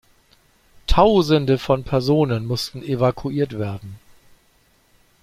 Tausende von Personen mussten evakuiert werden.